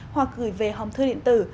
hoặc gửi về hòng thư điện tử